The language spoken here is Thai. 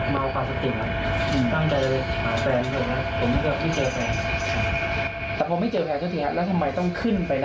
เมาป่าสติดต้องไปหาแฟนเถอะนะผมไม่เจอแฟน